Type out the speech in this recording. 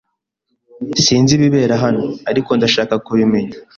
Sinzi ibibera hano, ariko ndashaka kubimenya.